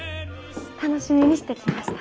楽しみにしてきました。